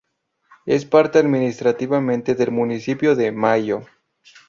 Es parte administrativamente del municipio de Maio.